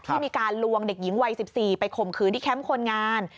ที่มีการลวงเด็กหญิงวัย๑๔ไปข่มขืนที่แคมป์คนงาน